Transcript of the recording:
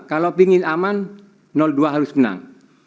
kalau ingin aman dua harus menang